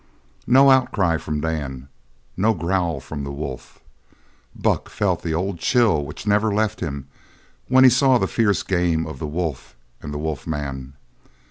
No outcry from Dan; no growl from the wolf. Buck felt the old chill which never left him when he saw the fierce game of the wolf and the wolf man.